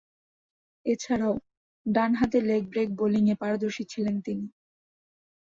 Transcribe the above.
এছাড়াও, ডানহাতে leg break বোলিংয়ে পারদর্শী ছিলেন তিনি।